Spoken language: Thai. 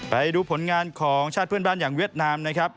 ไปดูผลงานของชาติเพื่อนบ้านอย่างเวียดนามนะครับ